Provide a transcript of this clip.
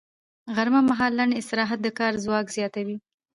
غرمه مهال لنډ استراحت د کار ځواک زیاتوي